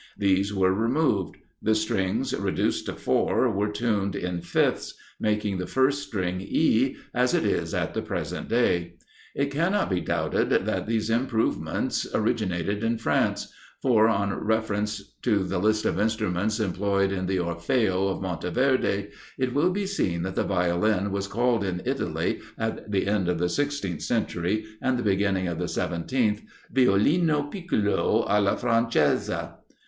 These were removed; the strings, reduced to four, were tuned in fifths; making the first string E, as it is at the present day. It cannot be doubted that these improvements originated in France; for on reference to the list of instruments employed in the "Orfeo" of Monteverde, it will be seen that the Violin was called in Italy, at the end of the sixteenth century, and the beginning of the seventeenth, "Violino piccolo alla francese."